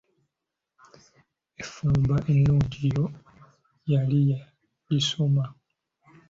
Enfumba ennungi yo yali yagisoma.